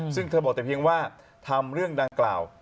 ซึ่งเธอบอกแต่เพียงว่าทำเรื่องดังกล่าว